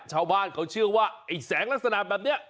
ชาวบ้านเขาเชื่อว่าไอ้แสงลักษณะแบบนี้